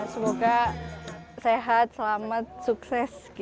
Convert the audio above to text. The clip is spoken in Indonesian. semoga sehat selamat sukses